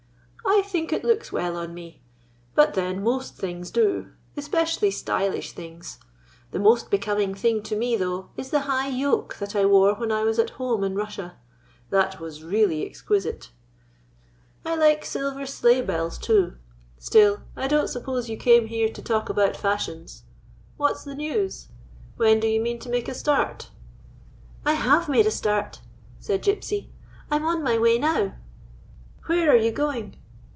" I think it looks well on me. But, then, most things do — especially stylish things. The most becoming thing to me, though, is the high yoke that I wore when I was at home in Russia. That was really exquisite. I like silver 1 1 1 GYPSV, THE TALKING DOG sleigli bells, too. Still, I don't suppose you came here to talk about fashions. What 's the news? When do you mean to make a start?" " I have made a start," said Gypsy. " I 'm on my way now." " Where are you going